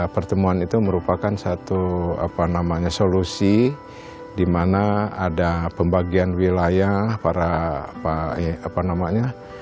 pertemuan itu merupakan satu solusi di mana ada pembagian wilayah para apa namanya